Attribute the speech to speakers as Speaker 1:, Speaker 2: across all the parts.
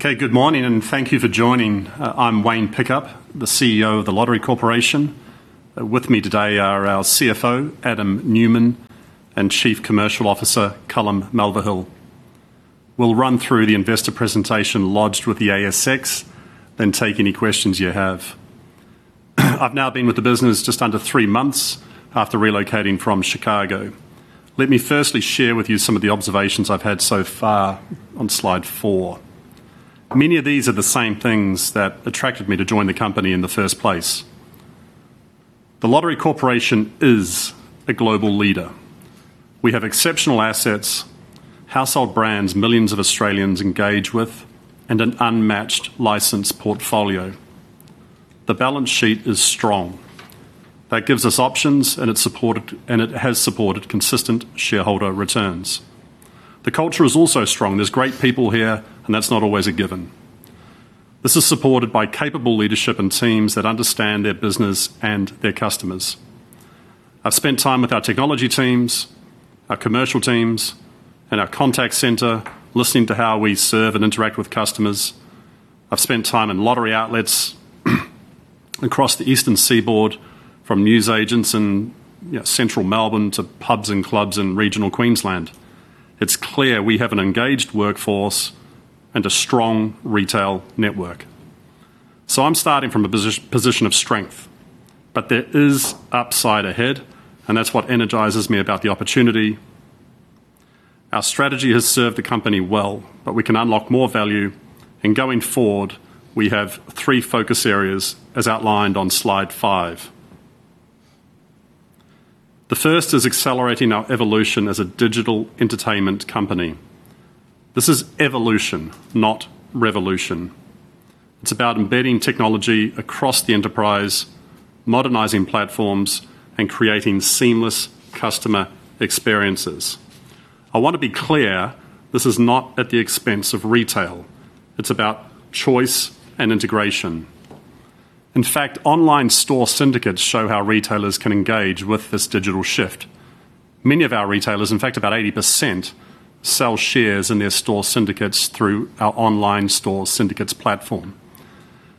Speaker 1: Okay, good morning, and thank you for joining. I'm Wayne Pickup, the CEO of The Lottery Corporation. With me today are our CFO, Adam Newman, and Chief Commercial Officer, Callum Mulvihill. We'll run through the investor presentation lodged with the ASX, then take any questions you have. I've now been with the business just under three months after relocating from Chicago. Let me firstly share with you some of the observations I've had so far on slide four. Many of these are the same things that attracted me to join the company in the first place. The Lottery Corporation is a global leader. We have exceptional assets, household brands millions of Australians engage with, and an unmatched license portfolio. The balance sheet is strong. That gives us options, and it's supported, and it has supported consistent shareholder returns. The culture is also strong. There's great people here, and that's not always a given. This is supported by capable leadership and teams that understand their business and their customers. I've spent time with our technology teams, our commercial teams, and our contact center, listening to how we serve and interact with customers. I've spent time in lottery outlets, across the eastern seaboard, from news agents in, you know, central Melbourne to pubs and clubs in regional Queensland. It's clear we have an engaged workforce and a strong retail network. So I'm starting from a position of strength, but there is upside ahead, and that's what energizes me about the opportunity. Our strategy has served the company well, but we can unlock more value, and going forward, we have three focus areas, as outlined on Slide five. The first is accelerating our evolution as a digital entertainment company. This is evolution, not revolution. It's about embedding technology across the enterprise, modernizing platforms, and creating seamless customer experiences. I want to be clear, this is not at the expense of retail. It's about choice and integration. In fact, online store syndicates show how retailers can engage with this digital shift. Many of our retailers, in fact, about 80%, sell shares in their store syndicates through our online store syndicates platform.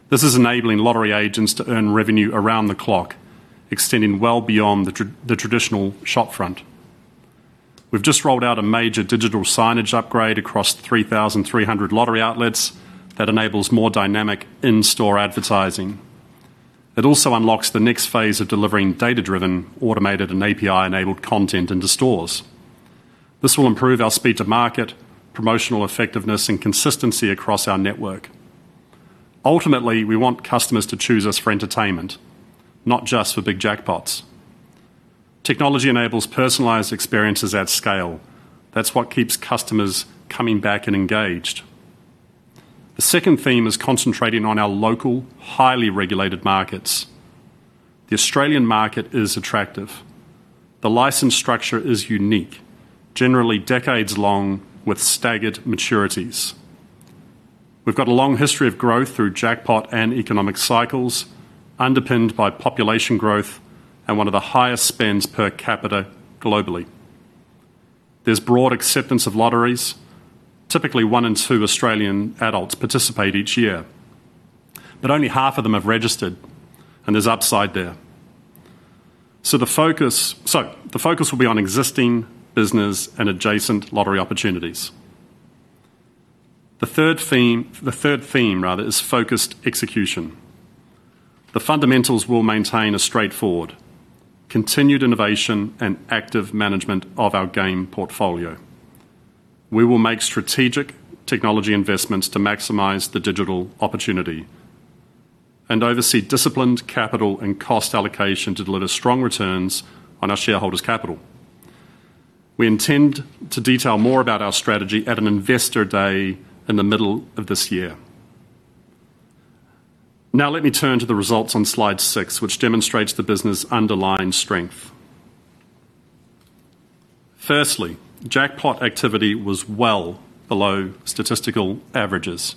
Speaker 1: This is enabling lottery agents to earn revenue around the clock, extending well beyond the traditional shopfront. We've just rolled out a major digital signage upgrade across 3,300 lottery outlets that enables more dynamic in-store advertising. It also unlocks the next phase of delivering data-driven, automated, and API-enabled content into stores. This will improve our speed to market, promotional effectiveness, and consistency across our network. Ultimately, we want customers to choose us for entertainment, not just for big jackpots. Technology enables personalized experiences at scale. That's what keeps customers coming back and engaged. The second theme is concentrating on our local, highly regulated markets. The Australian market is attractive. The license structure is unique, generally decades long, with staggered maturities. We've got a long history of growth through jackpot and economic cycles, underpinned by population growth and one of the highest spends per capita globally. There's broad acceptance of lotteries. Typically, one in two Australian adults participate each year, but only half of them have registered, and there's upside there. So the focus will be on existing business and adjacent lottery opportunities. The third theme, rather, is focused execution. The fundamentals will maintain a straightforward, continued innovation and active management of our game portfolio. We will make strategic technology investments to maximize the digital opportunity and oversee disciplined capital and cost allocation to deliver strong returns on our shareholders' capital. We intend to detail more about our strategy at an investor day in the middle of this year. Now let me turn to the results on Slide 6, which demonstrates the business' underlying strength. Firstly, jackpot activity was well below statistical averages.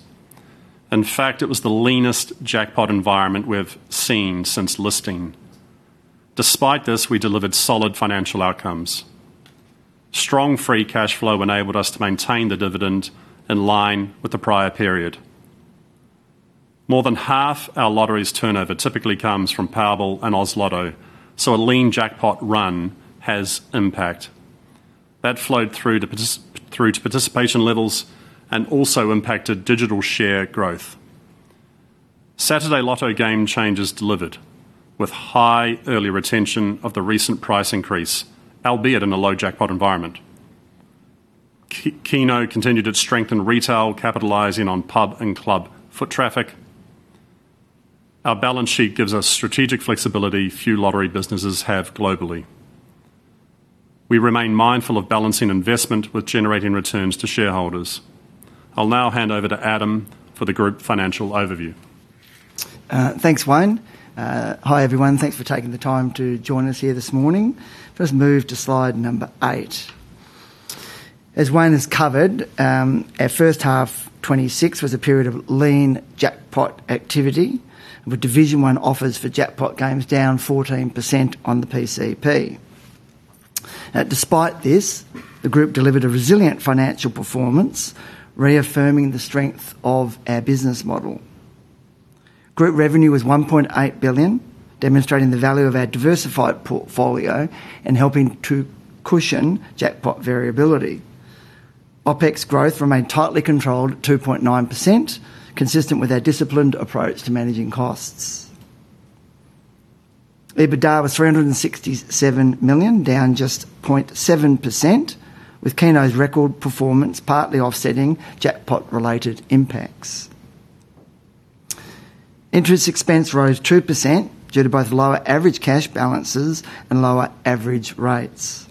Speaker 1: In fact, it was the leanest jackpot environment we've seen since listing. Despite this, we delivered solid financial outcomes. Strong free cash flow enabled us to maintain the dividend in line with the prior period. More than half our lottery's turnover typically comes from Powerball and Oz Lotto, so a lean jackpot run has impact. That flowed through to participation levels and also impacted digital share growth. Saturday Lotto game changes delivered, with high early retention of the recent price increase, albeit in a low jackpot environment. Keno continued to strengthen retail, capitalizing on pub and club foot traffic. Our balance sheet gives us strategic flexibility few lottery businesses have globally. We remain mindful of balancing investment with generating returns to shareholders. I'll now hand over to Adam for the group financial overview.
Speaker 2: Thanks, Wayne. Hi, everyone. Thanks for taking the time to join us here this morning. First, move to slide number 8. As Wayne has covered, our first half 26 was a period of lean jackpot activity, with Division One offers for jackpot games down 14% on the PCP. Despite this, the group delivered a resilient financial performance, reaffirming the strength of our business model. Group revenue was 1.8 billion, demonstrating the value of our diversified portfolio and helping to cushion jackpot variability. OpEx growth remained tightly controlled at 2.9%, consistent with our disciplined approach to managing costs. EBITDA was 367 million, down just 0.7%, with Keno's record performance partly offsetting jackpot-related impacts. Interest expense rose 2% due to both lower average cash balances and lower average rates.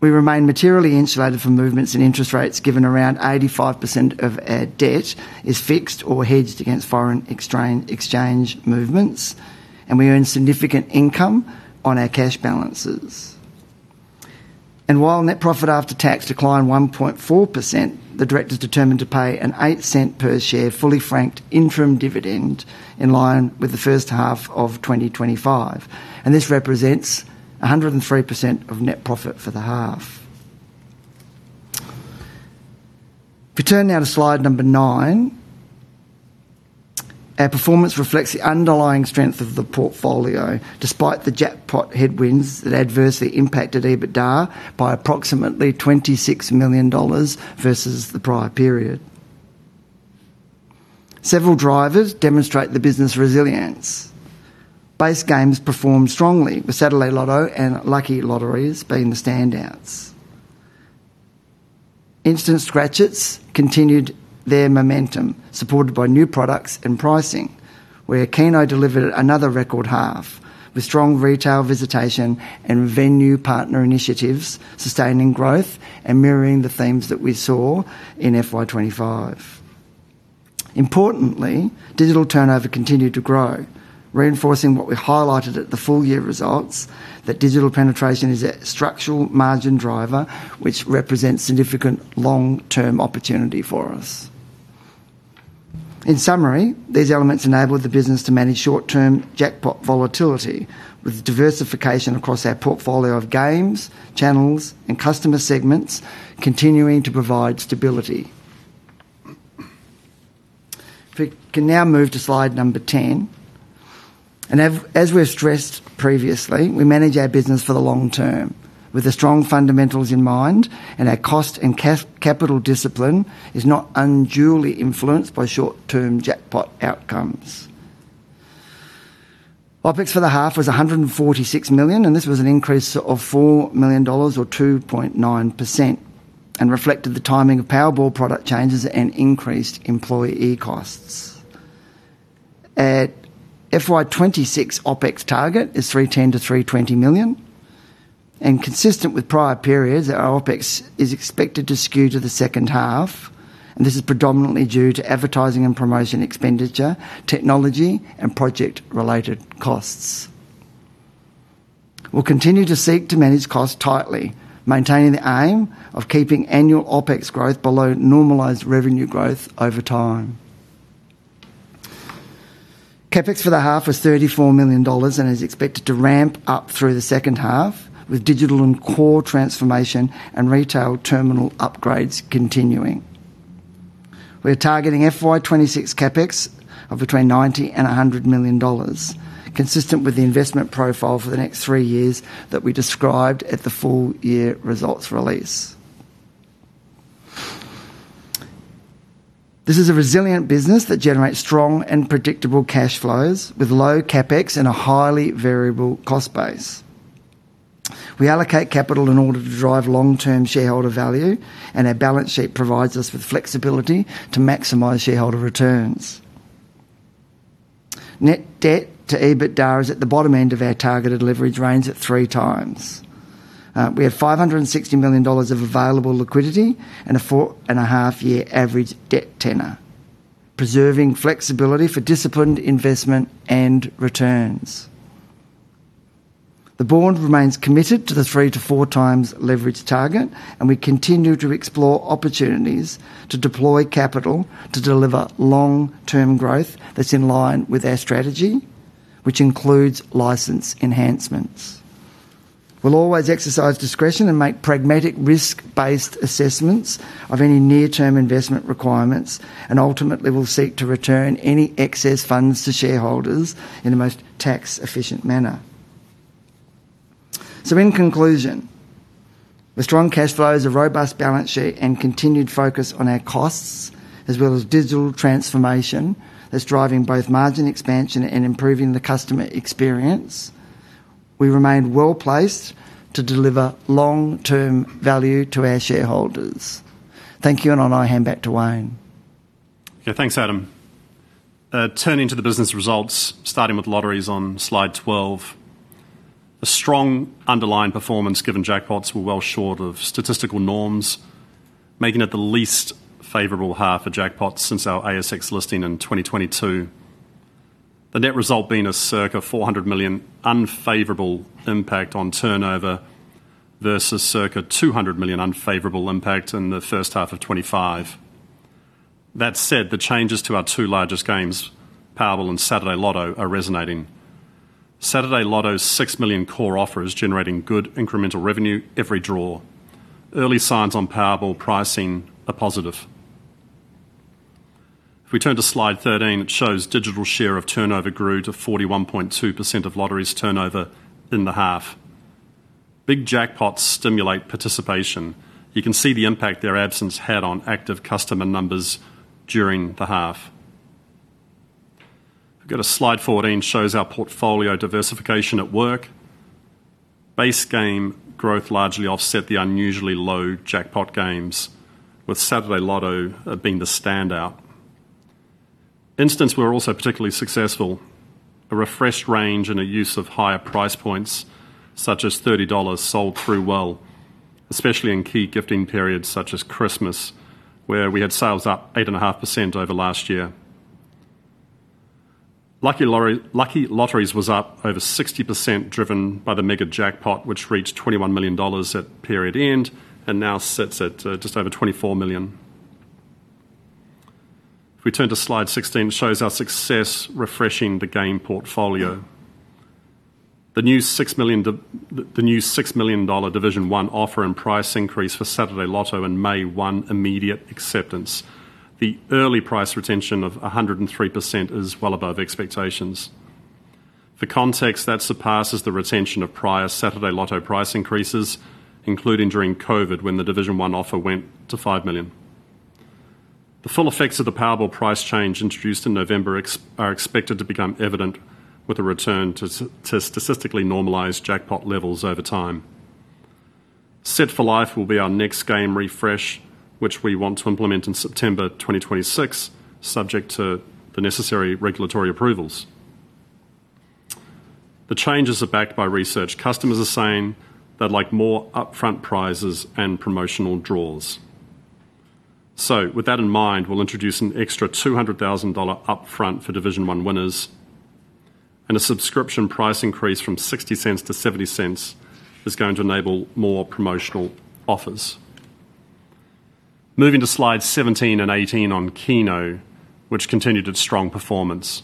Speaker 2: We remain materially insulated from movements in interest rates, given around 85% of our debt is fixed or hedged against foreign exchange movements, and we earn significant income on our cash balances. While net profit after tax declined 1.4%, the directors determined to pay an 0.08 per share, fully franked interim dividend in line with the first half of 2025, and this represents 103% of net profit for the half. If we turn now to slide 9, our performance reflects the underlying strength of the portfolio, despite the jackpot headwinds that adversely impacted EBITDA by approximately 26 million dollars versus the prior period. Several drivers demonstrate the business resilience. Base games performed strongly, with Saturday Lotto and Lucky Lotteries being the standouts. Instant Scratch-Its continued their momentum, supported by new products and pricing, where Keno delivered another record half, with strong retail visitation and venue partner initiatives, sustaining growth and mirroring the themes that we saw in FY 25. Importantly, digital turnover continued to grow, reinforcing what we highlighted at the full year results, that digital penetration is a structural margin driver, which represents significant long-term opportunity for us. In summary, these elements enabled the business to manage short-term jackpot volatility, with diversification across our portfolio of games, channels, and customer segments continuing to provide stability. If we can now move to slide number 10. And as we've stressed previously, we manage our business for the long term with the strong fundamentals in mind, and our cost and capital discipline is not unduly influenced by short-term jackpot outcomes. OpEx for the half was 146 million, and this was an increase of 4 million dollars or 2.9%, and reflected the timing of Powerball product changes and increased employee costs. Our FY 2026 OpEx target is 310 million-320 million, and consistent with prior periods, our OpEx is expected to skew to the second half. This is predominantly due to advertising and promotion expenditure, technology, and project-related costs. We'll continue to seek to manage costs tightly, maintaining the aim of keeping annual OpEx growth below normalized revenue growth over time. CapEx for the half was AUD 34 million and is expected to ramp up through the second half, with digital and core transformation and retail terminal upgrades continuing. We are targeting FY 2026 CapEx of between 90 million and 100 million dollars, consistent with the investment profile for the next 3 years that we described at the full-year results release. This is a resilient business that generates strong and predictable cash flows, with low CapEx and a highly variable cost base. We allocate capital in order to drive long-term shareholder value, and our balance sheet provides us with flexibility to maximize shareholder returns. Net debt to EBITDA is at the bottom end of our targeted leverage range at 3x. We have 560 million dollars of available liquidity and a 4.5-year average debt tenor, preserving flexibility for disciplined investment and returns. The board remains committed to the 3-4 times leverage target, and we continue to explore opportunities to deploy capital to deliver long-term growth that's in line with our strategy, which includes license enhancements. We'll always exercise discretion and make pragmatic risk-based assessments of any near-term investment requirements, and ultimately, we'll seek to return any excess funds to shareholders in the most tax-efficient manner. In conclusion, with strong cash flows, a robust balance sheet, and continued focus on our costs, as well as digital transformation that's driving both margin expansion and improving the customer experience, we remain well-placed to deliver long-term value to our shareholders. Thank you, and I'll now hand back to Wayne.
Speaker 1: Okay, thanks, Adam. Turning to the business results, starting with lotteries on slide 12. A strong underlying performance, given jackpots were well short of statistical norms, making it the least favorable half for jackpots since our ASX listing in 2022. The net result being a circa 400 million unfavorable impact on turnover, versus circa 200 million unfavorable impact in the first half of 2025. That said, the changes to our two largest games, Powerball and Saturday Lotto, are resonating. Saturday Lotto's 6 million core offer is generating good incremental revenue every draw. Early signs on Powerball pricing are positive. If we turn to slide 13, it shows digital share of turnover grew to 41.2% of lottery's turnover in the half. Big jackpots stimulate participation. You can see the impact their absence had on active customer numbers during the half. Go to slide 14, shows our portfolio diversification at work. Base game growth largely offset the unusually low jackpot games, with Saturday Lotto being the standout. Instants were also particularly successful. A refreshed range and a use of higher price points, such as 30 dollars, sold through well, especially in key gifting periods such as Christmas, where we had sales up 8.5% over last year. Lucky Lotteries was up over 60%, driven by the mega jackpot, which reached 21 million dollars at period end and now sits at just over 24 million. If we turn to slide 16, it shows our success refreshing the game portfolio. The new 6 million division one offer and price increase for Saturday Lotto in May won immediate acceptance. The early price retention of 103% is well above expectations. For context, that surpasses the retention of prior Saturday Lotto price increases, including during COVID, when the Division One offer went to 5 million. The full effects of the Powerball price change introduced in November are expected to become evident with a return to statistically normalized jackpot levels over time. Set for Life will be our next game refresh, which we want to implement in September 2026, subject to the necessary regulatory approvals. The changes are backed by research. Customers are saying they'd like more upfront prizes and promotional draws. So with that in mind, we'll introduce an extra 200,000 dollar upfront for Division One winners, and a subscription price increase from 0.60 to 0.70 is going to enable more promotional offers. Moving to slides 17 and 18 on Keno, which continued its strong performance.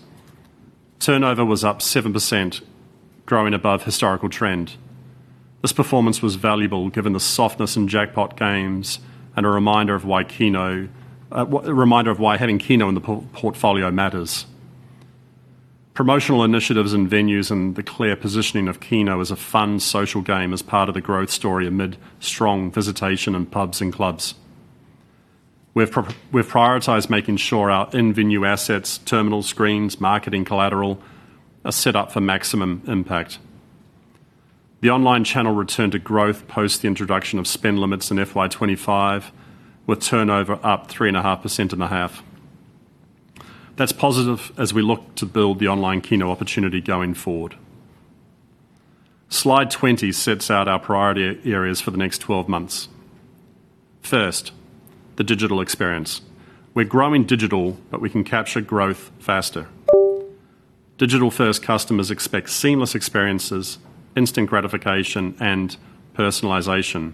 Speaker 1: Turnover was up 7%, growing above historical trend. This performance was valuable, given the softness in jackpot games, and a reminder of why having Keno in the portfolio matters. Promotional initiatives and venues and the clear positioning of Keno as a fun social game is part of the growth story amid strong visitation in pubs and clubs. We've prioritized making sure our in-venue assets, terminal screens, marketing collateral, are set up for maximum impact. The online channel returned to growth post the introduction of spend limits in FY 2025, with turnover up 3.5% in the half. That's positive as we look to build the online Keno opportunity going forward. Slide 20 sets out our priority areas for the next 12 months. First, the digital experience. We're growing digital, but we can capture growth faster. Digital-first customers expect seamless experiences, instant gratification, and personalization.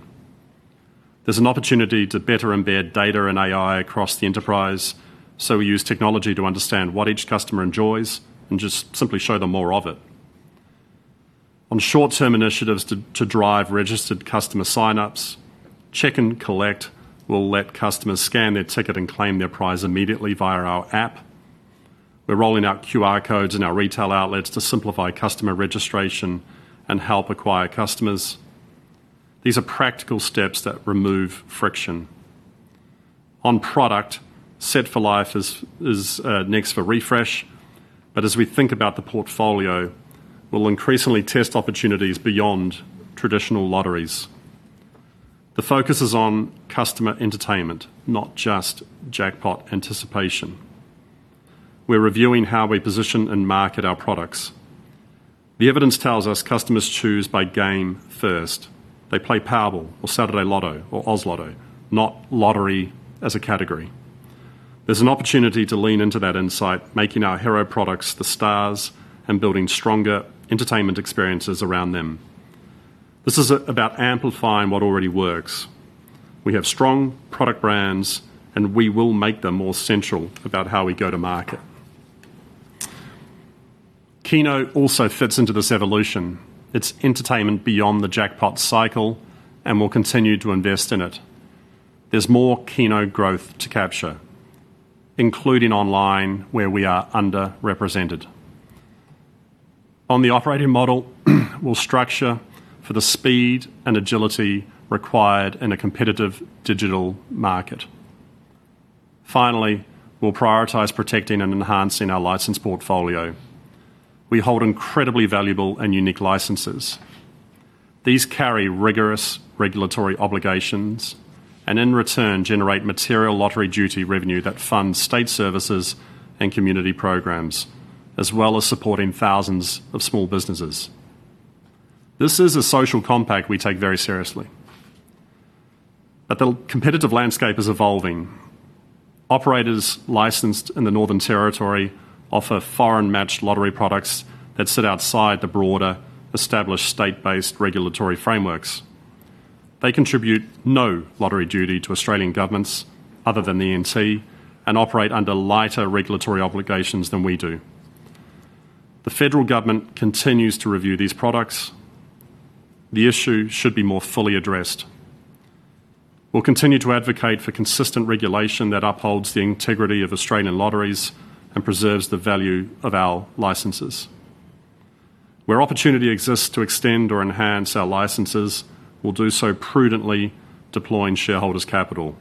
Speaker 1: There's an opportunity to better embed data and AI across the enterprise, so we use technology to understand what each customer enjoys and just simply show them more of it. On short-term initiatives to drive registered customer sign-ups, Check & Collect will let customers scan their ticket and claim their prize immediately via our app. We're rolling out QR codes in our retail outlets to simplify customer registration and help acquire customers. These are practical steps that remove friction. On product, Set for Life is next for refresh. But as we think about the portfolio, we'll increasingly test opportunities beyond traditional lotteries. The focus is on customer entertainment, not just jackpot anticipation. We're reviewing how we position and market our products. The evidence tells us customers choose by game first. They play Powerball or Saturday Lotto or Oz Lotto, not lottery as a category. There's an opportunity to lean into that insight, making our hero products the stars and building stronger entertainment experiences around them. This is about amplifying what already works. We have strong product brands, and we will make them more central about how we go to market. Keno also fits into this evolution. It's entertainment beyond the jackpot cycle, and we'll continue to invest in it. There's more Keno growth to capture, including online, where we are underrepresented. On the operating model, we'll structure for the speed and agility required in a competitive digital market. Finally, we'll prioritize protecting and enhancing our license portfolio. We hold incredibly valuable and unique licenses. These carry rigorous regulatory obligations, and in return, generate material Lottery Duty revenue that funds state services and community programs, as well as supporting thousands of small businesses. This is a social compact we take very seriously, but the competitive landscape is evolving. Operators licensed in the Northern Territory offer foreign-matched lottery products that sit outside the broader, established state-based regulatory frameworks. They contribute no Lottery Duty to Australian governments other than the NT, and operate under lighter regulatory obligations than we do. The federal government continues to review these products. The issue should be more fully addressed. We'll continue to advocate for consistent regulation that upholds the integrity of Australian lotteries and preserves the value of our licenses. Where opportunity exists to extend or enhance our licenses, we'll do so prudently, deploying shareholders' capital.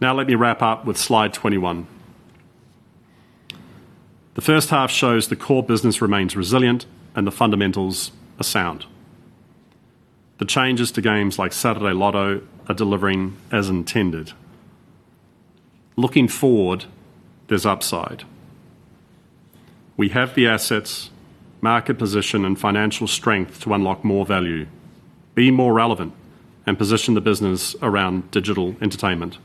Speaker 1: Now, let me wrap up with slide 21. The first half shows the core business remains resilient and the fundamentals are sound. The changes to games like Saturday Lotto are delivering as intended. Looking forward, there's upside. We have the assets, market position, and financial strength to unlock more value, be more relevant, and position the business around digital entertainment.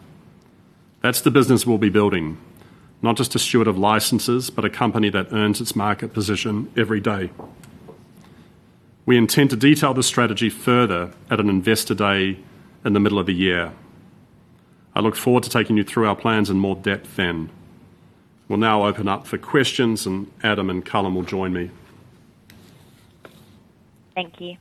Speaker 1: That's the business we'll be building, not just a steward of licenses, but a company that earns its market position every day. We intend to detail the strategy further at an investor day in the middle of the year. I look forward to taking you through our plans in more depth then. We'll now open up for questions, and Adam and Callum will join me.
Speaker 3: Thank you.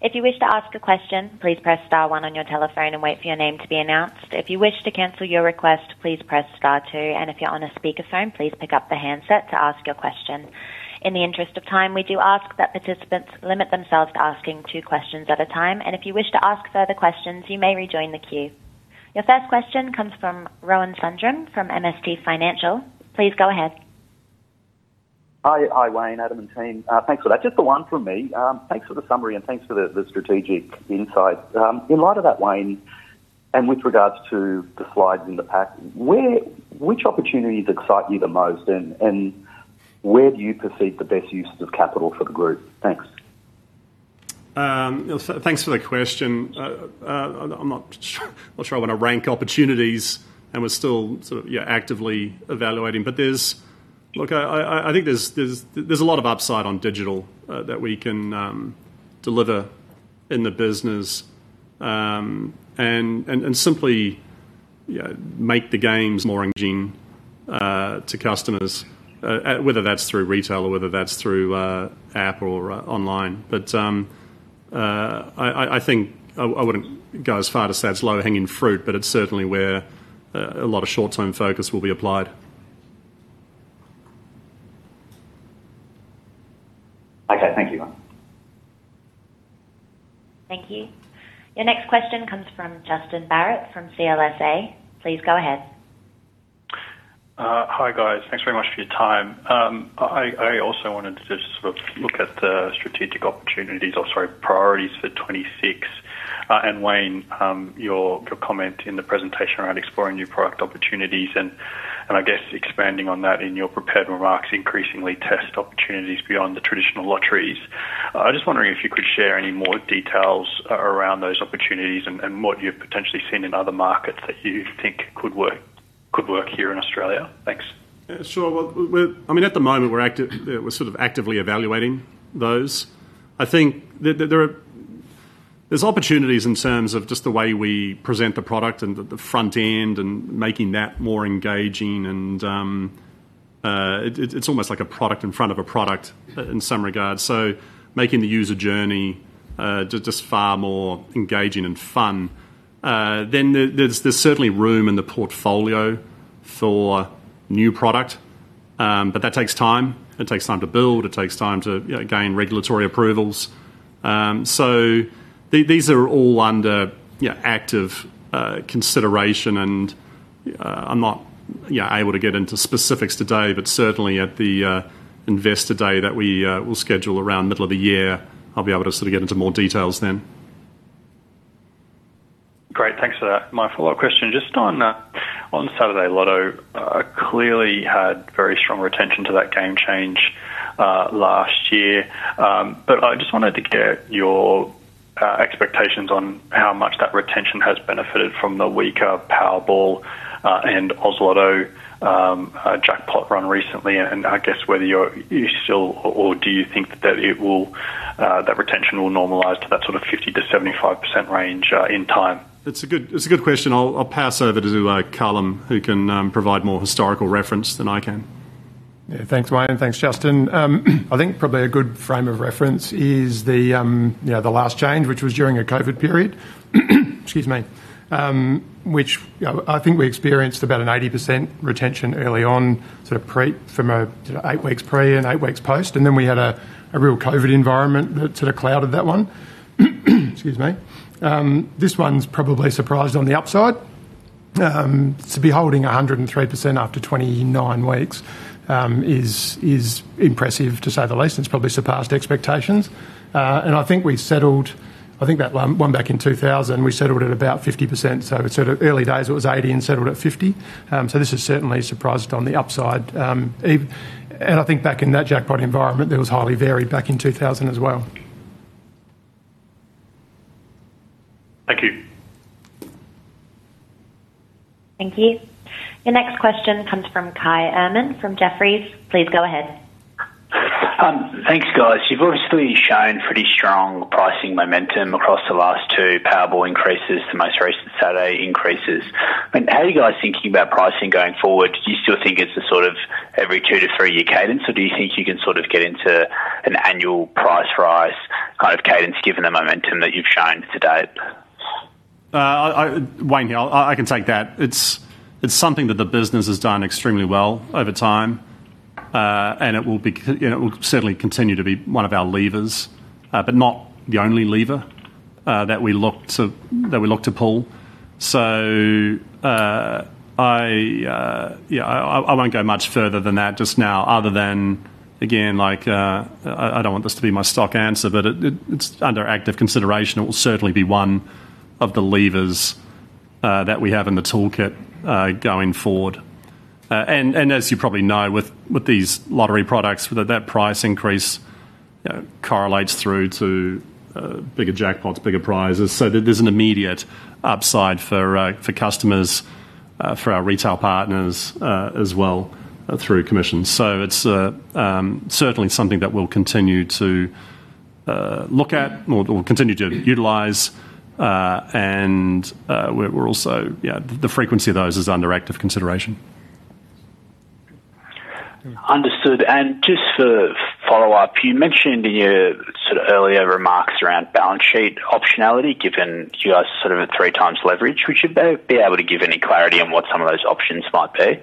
Speaker 3: If you wish to ask a question, please press star one on your telephone and wait for your name to be announced. If you wish to cancel your request, please press star two, and if you're on a speakerphone, please pick up the handset to ask your question. In the interest of time, we do ask that participants limit themselves to asking two questions at a time, and if you wish to ask further questions, you may rejoin the queue. Your first question comes from Rohan Sundram from MST Financial. Please go ahead.
Speaker 4: Hi. Hi, Wayne, Adam, and team. Thanks for that. Just the one from me. Thanks for the summary, and thanks for the, the strategic insight. In light of that, Wayne, and with regards to the slides in the pack, where- which opportunities excite you the most, and, and where do you perceive the best uses of capital for the group? Thanks.
Speaker 1: So thanks for the question. I'm not sure I want to rank opportunities, and we're still sort of actively evaluating. But look, I think there's a lot of upside on digital that we can deliver in the business and simply make the games more engaging to customers whether that's through retail or whether that's through app or online. But I think I wouldn't go as far to say that's low-hanging fruit, but it's certainly where a lot of short-term focus will be applied.
Speaker 4: Okay, thank you, Wayne.
Speaker 3: Thank you. Your next question comes from Justin Barratt, from CLSA. Please go ahead.
Speaker 5: Hi, guys. Thanks very much for your time. I also wanted to just sort of look at the strategic opportunities or, sorry, priorities for 2026. And, Wayne, your comment in the presentation around exploring new product opportunities and I guess expanding on that in your prepared remarks, increasingly test opportunities beyond the traditional lotteries. I was just wondering if you could share any more details around those opportunities and what you've potentially seen in other markets that you think could work here in Australia. Thanks.
Speaker 1: Sure. Well, we're... I mean, at the moment, we're sort of actively evaluating those. I think that there's opportunities in terms of just the way we present the product and the front end and making that more engaging and, it's almost like a product in front of a product in some regards. So making the user journey just far more engaging and fun. Then there's certainly room in the portfolio for new product, but that takes time. It takes time to build, it takes time to, you know, gain regulatory approvals. So these are all under active consideration and I'm not able to get into specifics today, but certainly at the investor day that we will schedule around middle of the year, I'll be able to sort of get into more details then.
Speaker 5: Great, thanks for that. My follow-up question, just on Saturday Lotto, clearly had very strong retention to that game change last year. But I just wanted to get your expectations on how much that retention has benefited from the weaker Powerball and Oz Lotto jackpot run recently, and I guess whether you still or do you think that it will that retention will normalize to that sort of 50%-75% range in time?
Speaker 1: It's a good, it's a good question. I'll, I'll pass over to Callum, who can provide more historical reference than I can.
Speaker 6: Yeah. Thanks, Wayne. Thanks, Justin. I think probably a good frame of reference is the, you know, the last change, which was during a COVID period, excuse me, which, I think we experienced about an 80% retention early on, sort of eight weeks pre and eight weeks post, and then we had a real COVID environment that sort of clouded that one. Excuse me. This one's probably surprised on the upside. To be holding 103% after 29 weeks is impressive, to say the least. It's probably surpassed expectations. And I think we settled, I think that one back in 2000, we settled at about 50%, so sort of early days, it was 80 and settled at 50. This is certainly surprised on the upside, and I think back in that jackpot environment, it was highly varied back in 2000 as well.
Speaker 5: Thank you.
Speaker 3: Thank you. Your next question comes from Kai Erman from Jefferies. Please go ahead.
Speaker 7: Thanks, guys. You've obviously shown pretty strong pricing momentum across the last two Powerball increases, the most recent Saturday increases. I mean, how are you guys thinking about pricing going forward? Do you still think it's a sort of every 2- to 3-year cadence, or do you think you can sort of get into an annual price rise kind of cadence, given the momentum that you've shown to date?
Speaker 1: Wayne, I can take that. It's something that the business has done extremely well over time, and it will be, you know, it will certainly continue to be one of our levers, but not the only lever that we look to pull. So, yeah, I won't go much further than that just now, other than, again, like, I don't want this to be my stock answer, but it's under active consideration. It will certainly be one of the levers that we have in the toolkit going forward. And as you probably know, with these lottery products, with that price increase correlates through to bigger jackpots, bigger prizes. So there's an immediate upside for customers, for our retail partners as well, through commissions. So it's certainly something that we'll continue to look at, or continue to utilize, and we're also... Yeah, the frequency of those is under active consideration.
Speaker 7: Understood. Just to follow up, you mentioned in your sort of earlier remarks around balance sheet optionality, given you guys sort of a 3x leverage. Would you be able to give any clarity on what some of those options might be?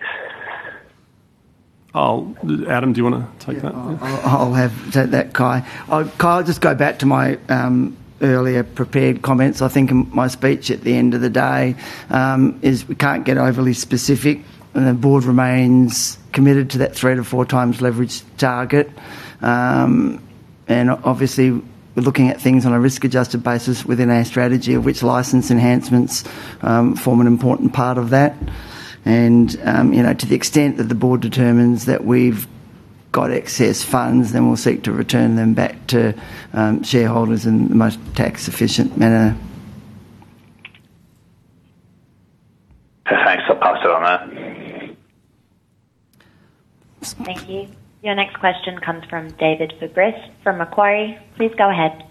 Speaker 1: I'll, Adam, do you want to take that?
Speaker 2: I'll take that, Kai. Kai, I'll just go back to my earlier prepared comments. I think in my speech, at the end of the day, is we can't get overly specific, and the board remains committed to that three-to-four times leverage target. And obviously, we're looking at things on a risk-adjusted basis within our strategy, of which license enhancements form an important part of that. And you know, to the extent that the board determines that we've got excess funds, then we'll seek to return them back to shareholders in the most tax-efficient manner.
Speaker 7: Thanks. I'll pass it on that.
Speaker 3: Thank you. Your next question comes from David Fabris from Macquarie. Please go ahead.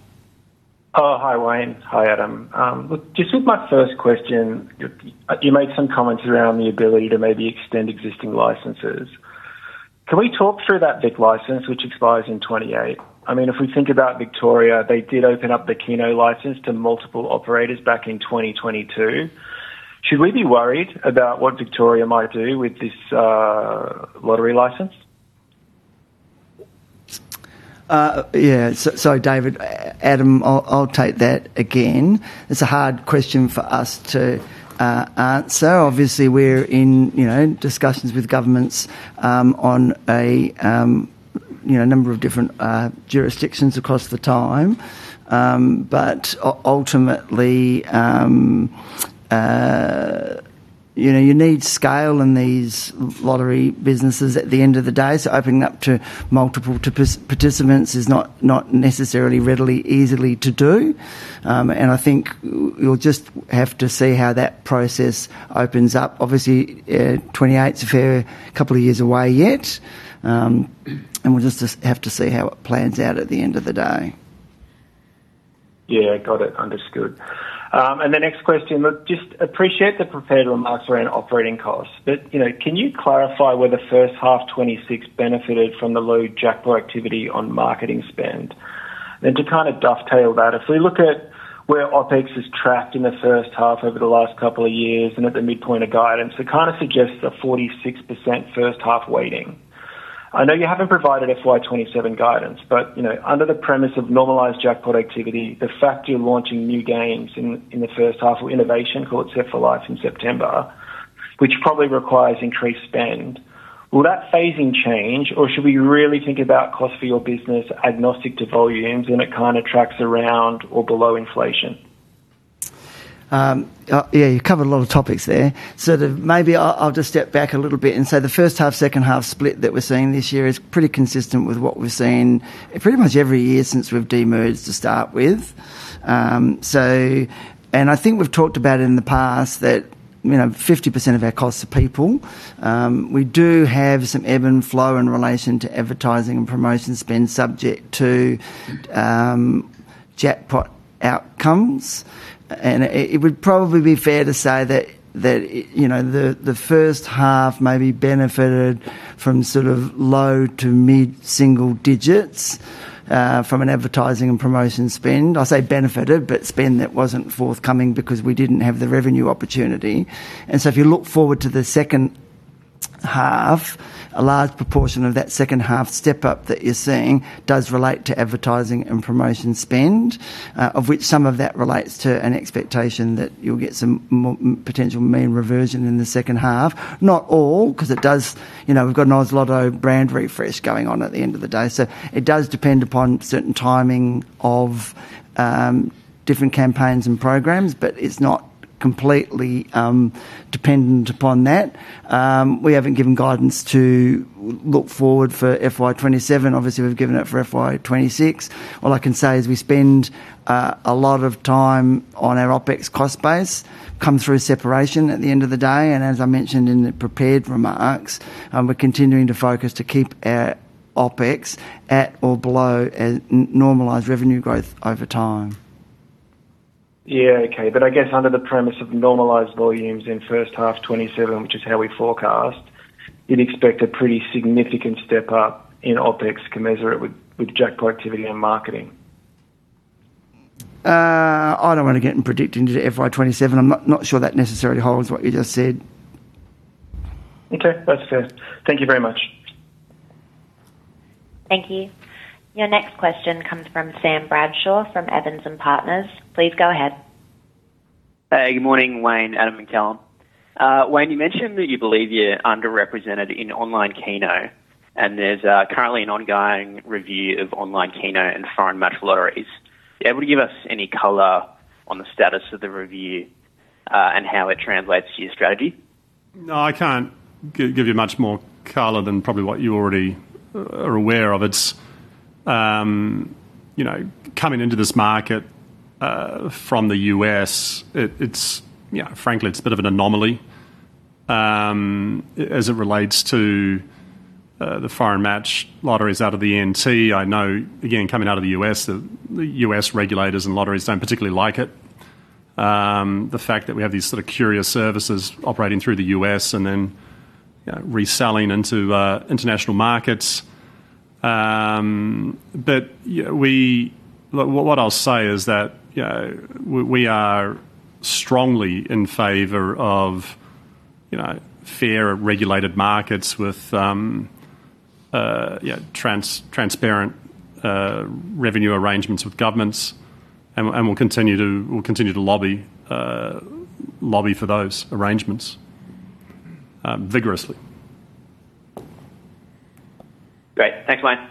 Speaker 8: Hi, Wayne. Hi, Adam. Just with my first question, you made some comments around the ability to maybe extend existing licenses. Can we talk through that Vic license, which expires in 2028? I mean, if we think about Victoria, they did open up the Keno license to multiple operators back in 2022. Should we be worried about what Victoria might do with this lottery license?
Speaker 2: Yeah. So, David, Adam, I'll take that again. It's a hard question for us to answer. Obviously, we're in, you know, discussions with governments on a, you know, a number of different jurisdictions across the time. But ultimately, you know, you need scale in these lottery businesses at the end of the day, so opening up to multiple participants is not necessarily readily, easily to do. And I think we'll just have to see how that process opens up. Obviously, 28 is a fair couple of years away yet, and we'll just have to see how it plans out at the end of the day.
Speaker 8: Yeah, got it. Understood. And the next question, just appreciate the prepared remarks around operating costs, but, you know, can you clarify where the first half 2026 benefited from the low jackpot activity on marketing spend? Then to kind of dovetail that, if we look at where OpEx is tracked in the first half over the last couple of years and at the midpoint of guidance, it kind of suggests a 46% first half weighting. I know you haven't provided FY 2027 guidance, but, you know, under the premise of normalized jackpot activity, the fact you're launching new games in the first half, or innovation called Set for Life in September, which probably requires increased spend. Will that phasing change, or should we really think about cost for your business agnostic to volumes, and it kind of tracks around or below inflation?
Speaker 2: Yeah, you covered a lot of topics there. Maybe I'll just step back a little bit and say the first half, second half split that we're seeing this year is pretty consistent with what we've seen pretty much every year since we've de-merged to start with. And I think we've talked about it in the past that, you know, 50% of our costs are people. We do have some ebb and flow in relation to advertising and promotion spend, subject to jackpot outcomes. And it would probably be fair to say that, you know, the first half maybe benefited from sort of low- to mid-single digits from an advertising and promotion spend. I say benefited, but spend that wasn't forthcoming because we didn't have the revenue opportunity. And so if you look forward to the second half, a large proportion of that second half step up that you're seeing does relate to advertising and promotion spend, of which some of that relates to an expectation that you'll get some potential mean reversion in the second half. Not all, 'cause it does... You know, we've got an Oz Lotto brand refresh going on at the end of the day. So it does depend upon certain timing of different campaigns and programs, but it's not completely dependent upon that. We haven't given guidance to look forward for FY 2027. Obviously, we've given it for FY 2026. All I can say is we spend a lot of time on our OpEx cost base come through separation at the end of the day, and as I mentioned in the prepared remarks, and we're continuing to focus to keep our OpEx at or below as normalized revenue growth over time?
Speaker 8: Yeah, okay. But I guess under the premise of normalized volumes in first half 2027, which is how we forecast, you'd expect a pretty significant step up in OpEx commensurate with jackpot activity and marketing.
Speaker 2: I don't want to get in predicting into FY 27. I'm not sure that necessarily holds what you just said.
Speaker 8: Okay. That's fair. Thank you very much.
Speaker 3: Thank you. Your next question comes from Sam Bradshaw, from Evans and Partners. Please go ahead.
Speaker 9: Hey, good morning, Wayne, Adam, and Callum. Wayne, you mentioned that you believe you're underrepresented in online Keno, and there's currently an ongoing review of online Keno and foreign match lotteries. Are you able to give us any color on the status of the review, and how it translates to your strategy?
Speaker 1: No, I can't give you much more color than probably what you already are aware of. It's you know coming into this market from the U.S. it's you know frankly it's a bit of an anomaly. As it relates to the foreign match lotteries out of the NT, I know again coming out of the U.S. the U.S. regulators and lotteries don't particularly like it. The fact that we have these sort of curious services operating through the U.S. and then reselling into international markets. But yeah we what I'll say is that you know we are strongly in favor of you know fair and regulated markets with yeah transparent revenue arrangements with governments and we'll continue to lobby for those arrangements vigorously.
Speaker 9: Great. Thanks, Wayne.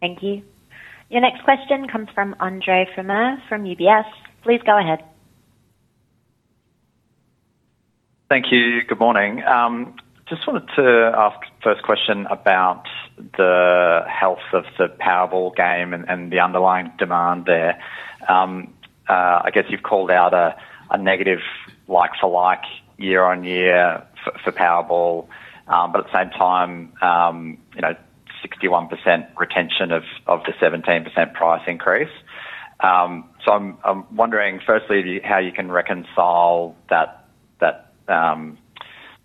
Speaker 3: Thank you. Your next question comes from Andre Fromyhr from UBS. Please go ahead.
Speaker 10: Thank you. Good morning. Just wanted to ask first question about the health of the Powerball game and the underlying demand there. I guess you've called out a negative like-for-like year-on-year for Powerball, but at the same time, you know, 61% retention of the 17% price increase. So I'm wondering, firstly, how you can reconcile that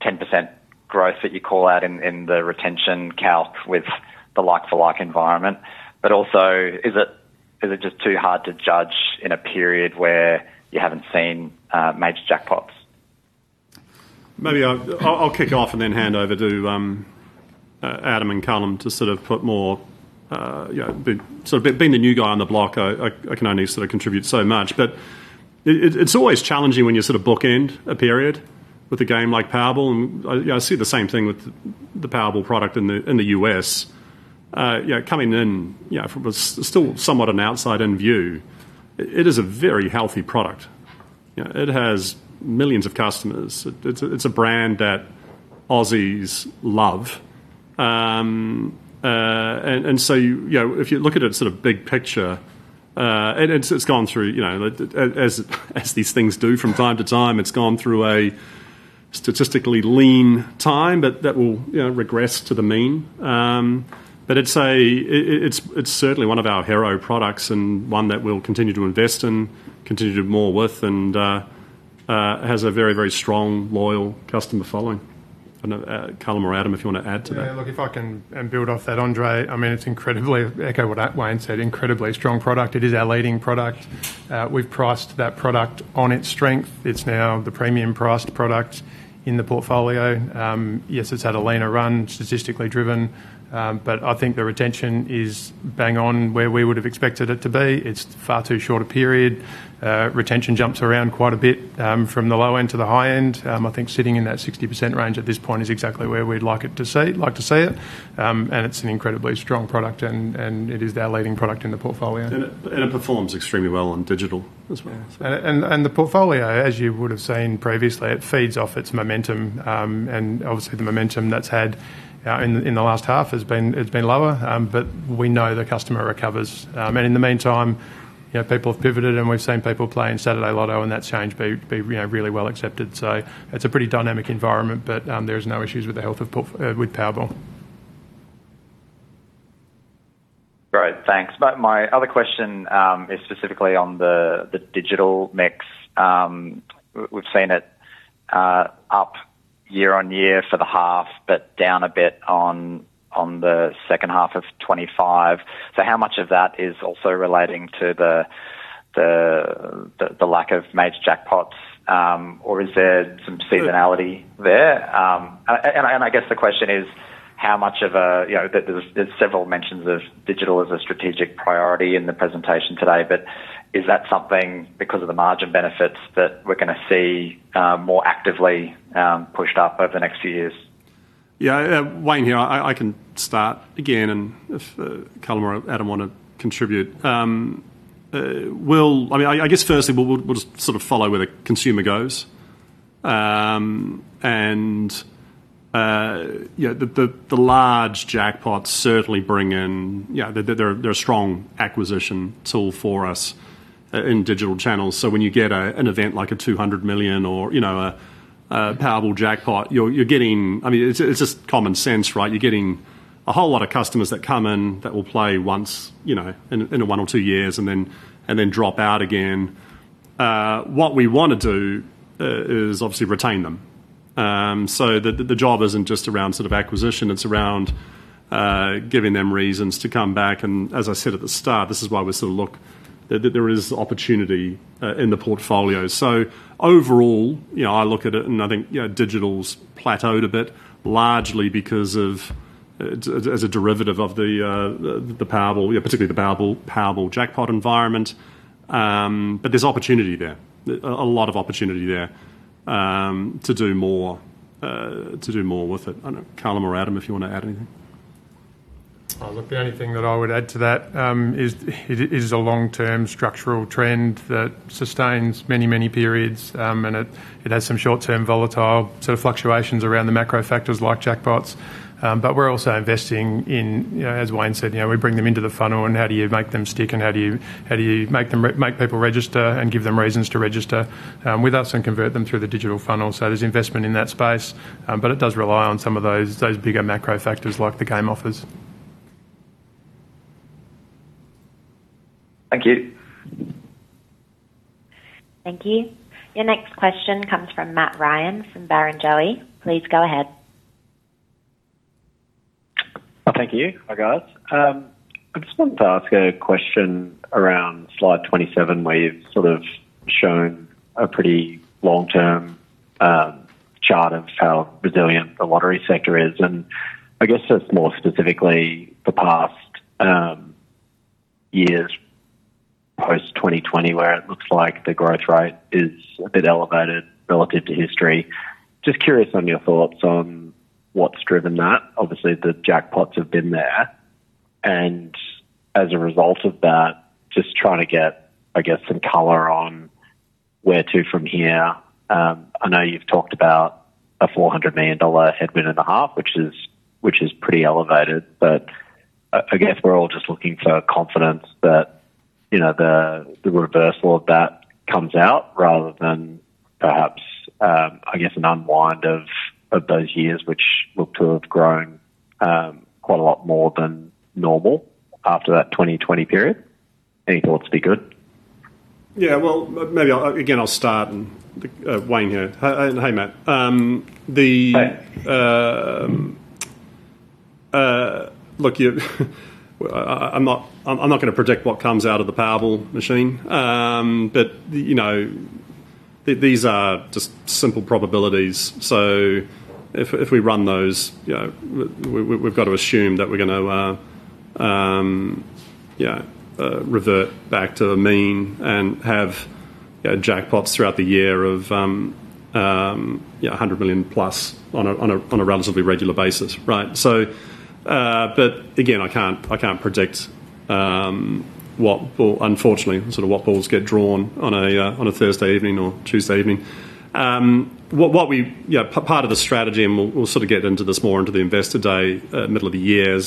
Speaker 10: 10% growth that you call out in the retention calc with the like-for-like environment. But also, is it just too hard to judge in a period where you haven't seen major jackpots?
Speaker 1: Maybe I'll kick off and then hand over to Adam and Callum to sort of put more, you know. Sort of being the new guy on the block, I can only sort of contribute so much, but it's always challenging when you sort of bookend a period with a game like Powerball, and, you know, I see the same thing with the Powerball product in the U.S. You know, coming in, you know, from a still somewhat an outside-in view, it is a very healthy product. You know, it has millions of customers. It's a brand that Aussies love. So, you know, if you look at it sort of big picture, and it's gone through, you know, as these things do from time to time, it's gone through a statistically lean time, but that will, you know, regress to the mean. But it's certainly one of our hero products and one that we'll continue to invest in, continue to do more with, and has a very, very strong, loyal customer following. I don't know, Callum or Adam, if you want to add to that.
Speaker 6: Yeah, look, if I can build off that, Andre, I mean, it's incredibly echo what Wayne said, incredibly strong product. It is our leading product. We've priced that product on its strength. It's now the premium-priced product in the portfolio. Yes, it's had a leaner run, statistically driven, but I think the retention is bang on where we would have expected it to be. It's far too short a period. Retention jumps around quite a bit from the low end to the high end. I think sitting in that 60% range at this point is exactly where we'd like it to see, like to see it. And it's an incredibly strong product, and it is our leading product in the portfolio.
Speaker 1: And it performs extremely well on digital as well.
Speaker 6: Yeah. And the portfolio, as you would have seen previously, it feeds off its momentum, and obviously, the momentum that's had in the last half has been. It's been lower, but we know the customer recovers. And in the meantime, you know, people have pivoted, and we've seen people playing Saturday Lotto, and that's changed, you know, really well accepted. So it's a pretty dynamic environment, but there's no issues with the health of Powerball.
Speaker 10: Great, thanks. But my other question is specifically on the digital mix. We've seen it up year-on-year for the half, but down a bit on the second half of 25. So how much of that is also relating to the lack of major jackpots, or is there some seasonality there? And I guess the question is, how much of a... You know, there's several mentions of digital as a strategic priority in the presentation today, but is that something, because of the margin benefits, that we're going to see more actively pushed up over the next few years?
Speaker 1: Yeah, Wayne here. I can start again, and if Callum or Adam want to contribute. We'll—I mean, I guess, firstly, we'll just sort of follow where the consumer goes. And, you know, the large jackpots certainly bring in, you know, they're a strong acquisition tool for us in digital channels. So when you get an event like a 200 million or, you know, a Powerball jackpot, you're getting—I mean, it's just common sense, right? You're getting a whole lot of customers that come in that will play once, you know, in a one or two years, and then drop out again. What we wanna do is obviously retain them. So the job isn't just around sort of acquisition, it's around giving them reasons to come back, and as I said at the start, this is why we sort of look that there is opportunity in the portfolio. So overall, you know, I look at it and I think, you know, digital's plateaued a bit, largely because of, as a derivative of the Powerball, yeah, particularly the Powerball, Powerball jackpot environment. But there's opportunity there, a lot of opportunity there, to do more, to do more with it. I don't know, Callum or Adam, if you want to add anything?
Speaker 6: Look, the only thing that I would add to that is, it is a long-term structural trend that sustains many, many periods, and it has some short-term volatile sort of fluctuations around the macro factors like jackpots. But we're also investing in, you know, as Wayne said, you know, we bring them into the funnel, and how do you make them stick, and how do you make people register and give them reasons to register with us and convert them through the digital funnel? So there's investment in that space, but it does rely on some of those bigger macro factors like the game offers.
Speaker 10: Thank you.
Speaker 3: Thank you. Your next question comes from Matt Ryan from Barrenjoey. Please go ahead.
Speaker 11: Well, thank you. Hi, guys. I just wanted to ask a question around slide 27, where you've sort of shown a pretty long-term chart of how resilient the lottery sector is, and I guess just more specifically, the past years post-2020, where it looks like the growth rate is a bit elevated relative to history. Just curious on your thoughts on what's driven that. Obviously, the jackpots have been there, and as a result of that, just trying to get, I guess, some color on where to from here. I know you've talked about a 450 million dollar headwind, which is pretty elevated, but I guess we're all just looking for confidence that, you know, the reversal of that comes out rather than perhaps, I guess, an unwind of those years, which look to have grown quite a lot more than normal after that 2020 period. Any thoughts would be good.
Speaker 1: Yeah, well, maybe again, I'll start, and Wayne here. Hey, Matt. The-
Speaker 11: Hey.
Speaker 1: Look, I'm not going to predict what comes out of the Powerball machine. But, you know, these are just simple probabilities, so if we run those, you know, we've got to assume that we're gonna revert back to the mean and have jackpots throughout the year of, you know, 100 million plus on a relatively regular basis, right? So, but again, I can't predict what ball, unfortunately, sort of what balls get drawn on a Thursday evening or Tuesday evening. What we... You know, part of the strategy, and we'll sort of get into this more into the investor day middle of the year,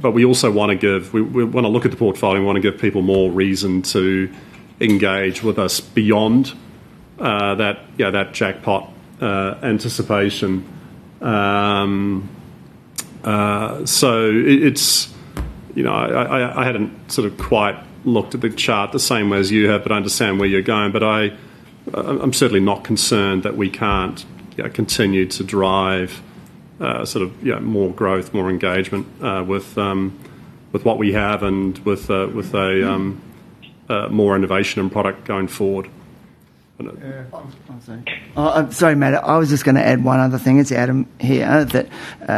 Speaker 1: but we also wanna give—we wanna look at the portfolio, we wanna give people more reason to engage with us beyond that, yeah, that jackpot anticipation. So it's, you know, I hadn't sort of quite looked at the chart the same way as you have, but I understand where you're going. But I'm certainly not concerned that we can't continue to drive sort of, you know, more growth, more engagement with what we have and with a more innovation and product going forward.
Speaker 11: Yeah. I'm sorry.
Speaker 2: I'm sorry, Matt. I was just gonna add one other thing, it's Adam here, that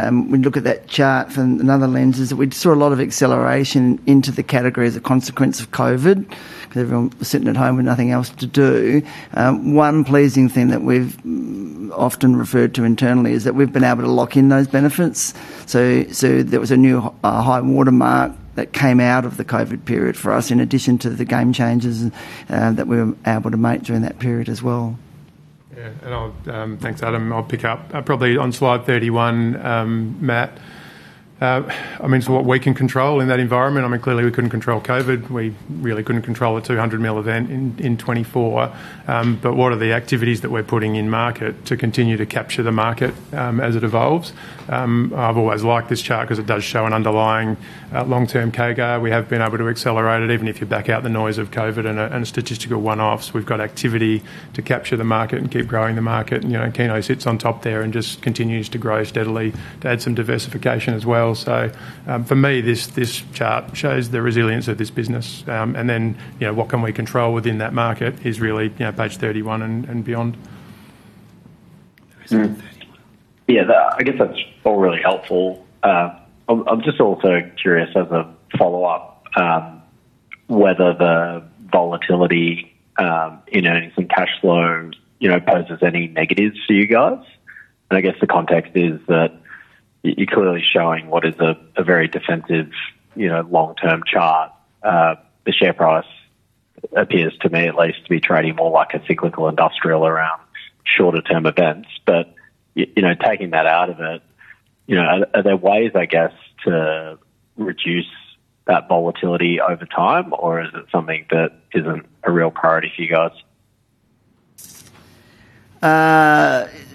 Speaker 2: when you look at that chart from another lens, is that we saw a lot of acceleration into the category as a consequence of COVID, 'cause everyone was sitting at home with nothing else to do. One pleasing thing that we've often referred to internally is that we've been able to lock in those benefits. So, so there was a new high water mark that came out of the COVID period for us, in addition to the game changes that we were able to make during that period as well.
Speaker 6: Yeah, and I'll, thanks, Adam. I'll pick up probably on slide 31, Matt. I mean, so what we can control in that environment, I mean, clearly, we couldn't control COVID. We really couldn't control the 200 million event in 2024. But what are the activities that we're putting in market to continue to capture the market as it evolves? I've always liked this chart 'cause it does show an underlying long-term CAGR. We have been able to accelerate it, even if you back out the noise of COVID and statistical one-offs. We've got activity to capture the market and keep growing the market, and, you know, Keno sits on top there and just continues to grow steadily to add some diversification as well. For me, this chart shows the resilience of this business, and then, you know, what can we control within that market is really, you know, page 31 and beyond.
Speaker 1: Um,
Speaker 11: Yeah, that, I guess, that's all really helpful. I'm just also curious as a follow-up, whether the volatility in earnings and cash flows, you know, poses any negatives for you guys? And I guess the context is that you're clearly showing what is a very defensive, you know, long-term chart. The share price appears to me at least to be trading more like a cyclical industrial around shorter-term events. But, you know, taking that out of it- You know, are there ways, I guess, to reduce that volatility over time, or is it something that isn't a real priority for you guys?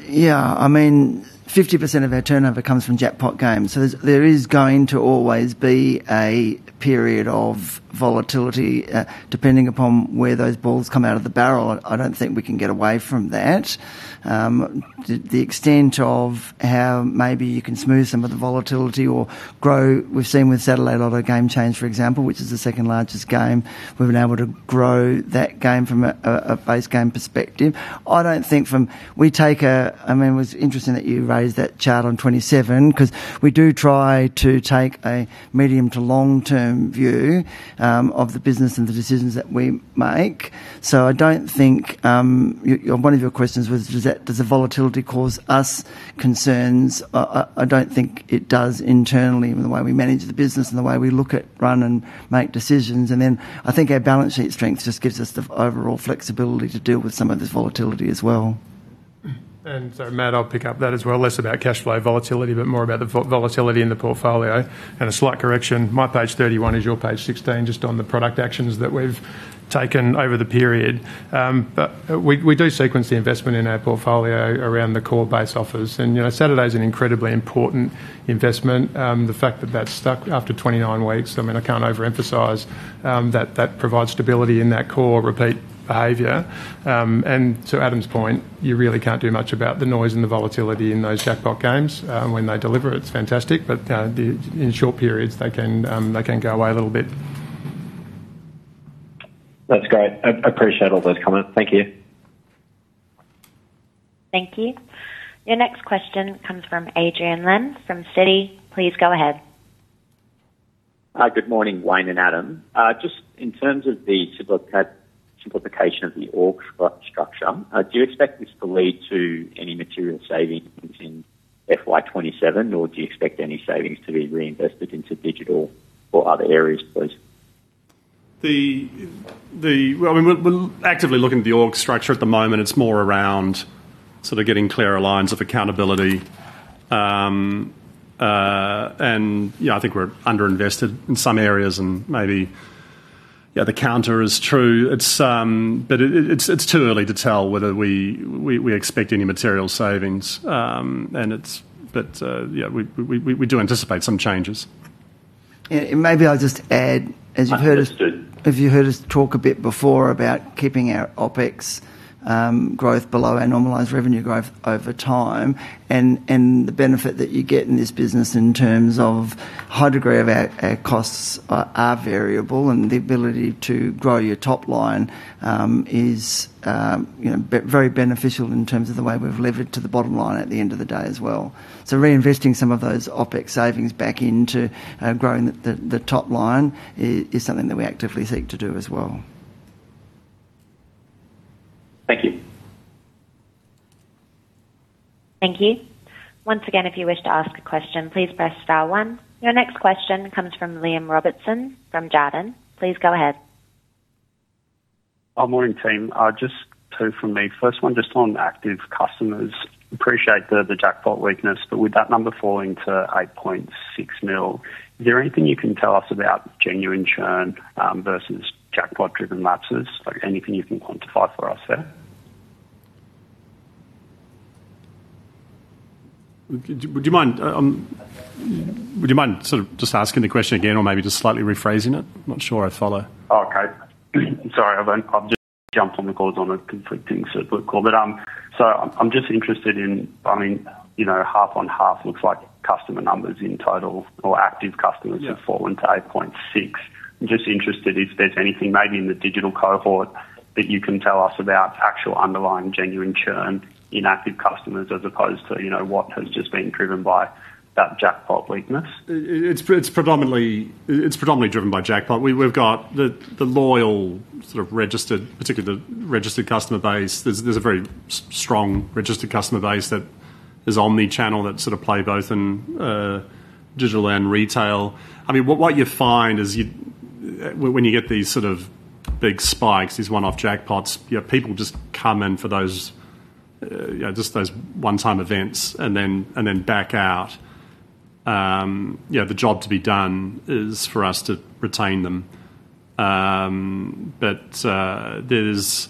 Speaker 2: Yeah, I mean, 50% of our turnover comes from jackpot games, so there is going to always be a period of volatility, depending upon where those balls come out of the barrel. I don't think we can get away from that. The extent of how maybe you can smooth some of the volatility or grow. We've seen with Saturday Lotto game change, for example, which is the second-largest game, we've been able to grow that game from a base game perspective. I don't think from... We take a- I mean, it was interesting that you raised that chart on 27, 'cause we do try to take a medium to long-term view, of the business and the decisions that we make. So I don't think one of your questions was, is that, does the volatility cause us concerns? I don't think it does internally in the way we manage the business and the way we look at, run, and make decisions. And then, I think our balance sheet strength just gives us the overall flexibility to deal with some of this volatility as well.
Speaker 1: And so, Matt, I'll pick up that as well. Less about cash flow volatility, but more about the volatility in the portfolio. And a slight correction, my page 31 is your page 16, just on the product actions that we've taken over the period. But we do sequence the investment in our portfolio around the core base offers. And, you know, Saturday is an incredibly important investment. The fact that that stuck after 29 weeks, I mean, I can't overemphasize, that that provides stability in that core repeat behavior. And to Adam's point, you really can't do much about the noise and the volatility in those jackpot games. When they deliver, it's fantastic, but, in short periods, they can, they can go away a little bit.
Speaker 11: That's great. I appreciate all those comments. Thank you.
Speaker 3: Thank you. Your next question comes from Adrian Lim, from Citi. Please go ahead.
Speaker 12: Hi, good morning, Wayne and Adam. Just in terms of the simplification of the org structure, do you expect this to lead to any material savings in FY 27, or do you expect any savings to be reinvested into digital or other areas, please?
Speaker 1: Well, we're actively looking at the org structure at the moment. It's more around sort of getting clearer lines of accountability. And, you know, I think we're underinvested in some areas, and maybe, yeah, the counter is true. It's but yeah, we do anticipate some changes.
Speaker 2: Yeah, and maybe I'll just add, as you've heard us-
Speaker 12: Understood.
Speaker 2: If you heard us talk a bit before about keeping our OpEx growth below our normalized revenue growth over time, and the benefit that you get in this business in terms of high degree of our costs are variable, and the ability to grow your top line is you know very beneficial in terms of the way we've levered to the bottom line at the end of the day as well. So reinvesting some of those OpEx savings back into growing the top line is something that we actively seek to do as well.
Speaker 12: Thank you.
Speaker 3: Thank you. Once again, if you wish to ask a question, please press star one. Your next question comes from Liam Robertson from Jarden. Please go ahead.
Speaker 13: Morning, team. Just two from me. First one, just on active customers. Appreciate the jackpot weakness, but with that number falling to 8.6 million, is there anything you can tell us about genuine churn versus jackpot-driven lapses? Like, anything you can quantify for us there?
Speaker 1: Would you mind sort of just asking the question again or maybe just slightly rephrasing it? I'm not sure I follow.
Speaker 13: Oh, okay. Sorry, I've just jumped on the call on a conflicting circle call. But, so I'm just interested in, I mean, you know, half on half looks like customer numbers in total or active customers-
Speaker 1: Yeah.
Speaker 13: -have fallen to 8.6. I'm just interested if there's anything, maybe in the digital cohort, that you can tell us about actual underlying genuine churn in active customers as opposed to, you know, what has just been driven by that jackpot weakness.
Speaker 1: It's predominantly driven by jackpot. We've got the loyal, sort of, registered, particularly the registered customer base. There's a very strong registered customer base that is omni-channel, that sort of play both in digital and retail. I mean, what you find is you, when you get these sort of big spikes, these one-off jackpots, you know, people just come in for those, just those one-time events and then back out. Yeah, the job to be done is for us to retain them. But there's,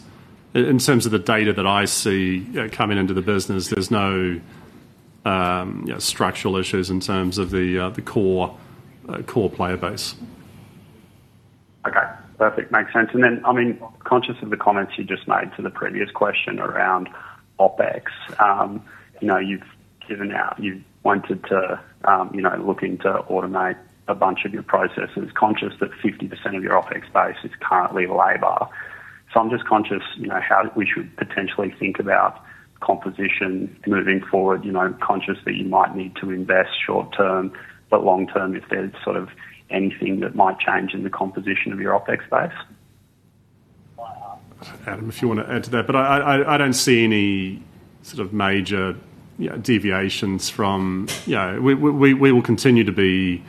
Speaker 1: in terms of the data that I see coming into the business, there's no, you know, structural issues in terms of the core player base.
Speaker 13: Okay, perfect. Makes sense. And then, I mean, conscious of the comments you just made to the previous question around OpEx, you know, you've wanted to, you know, looking to automate a bunch of your processes, conscious that 50% of your OpEx base is currently labor. So I'm just conscious, you know, how we should potentially think about composition moving forward, you know, conscious that you might need to invest short term, but long term, if there's sort of anything that might change in the composition of your OpEx base.
Speaker 1: Adam, if you wanna add to that, but I don't see any sort of major, yeah, deviations from... Yeah, we will continue to be,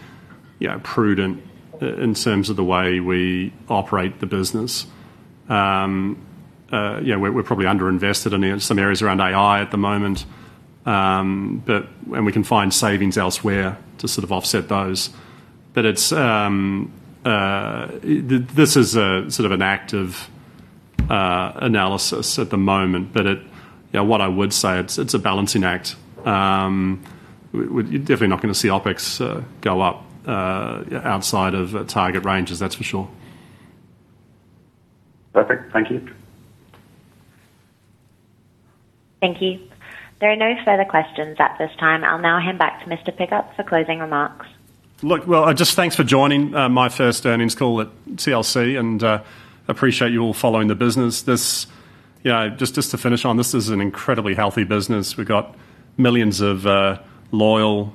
Speaker 1: yeah, prudent in terms of the way we operate the business. You know, we're probably underinvested in some areas around AI at the moment, but and we can find savings elsewhere to sort of offset those. But it's this is a sort of an active analysis at the moment, but it, you know, what I would say, it's a balancing act. You're definitely not gonna see OpEx go up outside of target ranges, that's for sure.
Speaker 13: Perfect. Thank you.
Speaker 3: Thank you. There are no further questions at this time. I'll now hand back to Mr. Pickup for closing remarks.
Speaker 1: Look, well, just thanks for joining my first earnings call at TLC, and appreciate you all following the business. This, you know, just, just to finish on, this is an incredibly healthy business. We've got millions of loyal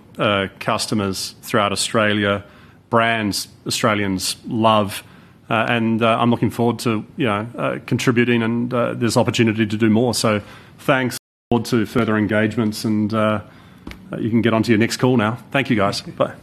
Speaker 1: customers throughout Australia, brands Australians love, and I'm looking forward to, you know, contributing, and there's opportunity to do more. So thanks. Look forward to further engagements, and you can get on to your next call now. Thank you, guys. Bye.